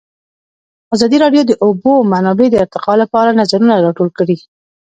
ازادي راډیو د د اوبو منابع د ارتقا لپاره نظرونه راټول کړي.